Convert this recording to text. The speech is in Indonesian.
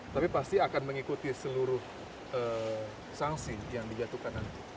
tapi pasti akan mengikuti seluruh sanksi yang dijatuhkan nanti